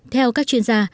theo các chuyên gia